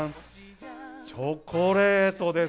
チョコレートです。